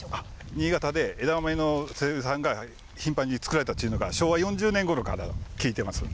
新潟で枝豆の生産が頻繁に作られたというのが、昭和４０年ごろからと聞いてます。